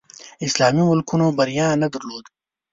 اسلامي ملکونو بریا نه درلوده